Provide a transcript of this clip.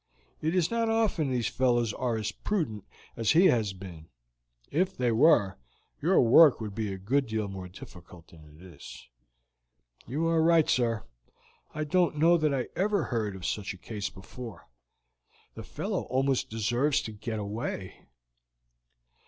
"It is not often these fellows are as prudent as he has been; if they were, your work would be a good deal more difficult than it is." "You are right, sir; I don't know that I ever heard of such a case before. The fellow almost deserves to get away."